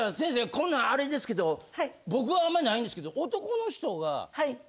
こんなんあれですけど僕はあんまりないんですけど。